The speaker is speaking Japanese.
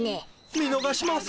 見のがしません。